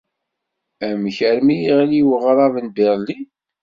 Amek armi yeɣli weɣrab n Berlin?